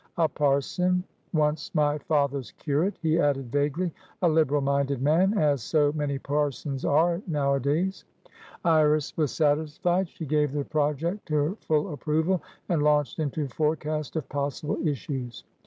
"A parsononce my father's curate," he added, vaguely. "A liberal minded man, as so many parsons are nowadays." Iris was satisfied. She gave the project her full approval, and launched into forecast of possible issues.